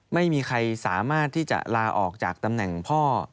ไม่มีใครสามารถที่จะลาออกจากตำแหน่งพ่อ